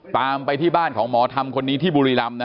ตามไปที่บ้านของหมอธรรมคนนี้ที่บุรีรำ